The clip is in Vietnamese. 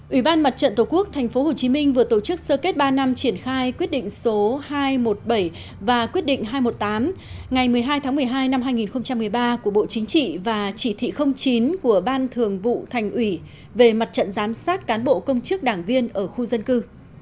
ủy ban mặt trận tổ quốc tp hcm vừa tổ chức sơ kết ba năm triển khai quyết định số hai trăm một mươi bảy và quyết định hai trăm một mươi tám ngày một mươi hai tháng một mươi hai năm hai nghìn một mươi ba của bộ chính trị và chỉ thị chín của ban thường vụ thành ủy về mặt trận giám sát cán bộ công chức đảng viên ở khu dân cư